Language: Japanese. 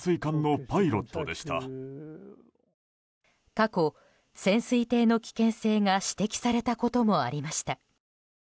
過去、潜水艇の危険性が指摘されたこともありました。